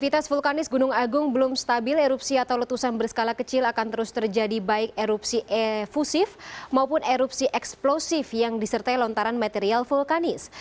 aktivitas vulkanis gunung agung belum stabil erupsi atau letusan berskala kecil akan terus terjadi baik erupsi efusif maupun erupsi eksplosif yang disertai lontaran material vulkanis